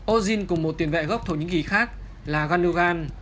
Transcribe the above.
ozin cùng một tuyển vệ gốc thổ nhĩ kỳ khác là ghanlugan